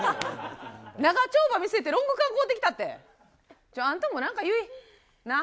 長丁場見据えて、ロング缶買うてきたって、あんたもちょっとなんか言い。なあ？